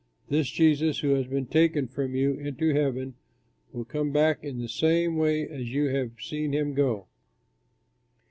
This Jesus, who has been taken from you into heaven, will come back in the same way as you have seen him go."